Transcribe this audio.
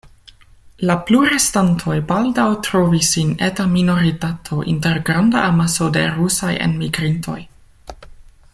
La plurestantoj baldaŭ trovis sin eta minoritato inter granda amaso da rusaj enmigrintoj.